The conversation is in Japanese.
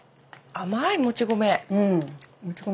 甘いもち米。